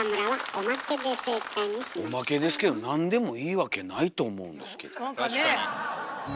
おまけですけどなんでもいいわけないと思うんですけど。